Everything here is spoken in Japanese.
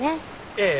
ええ。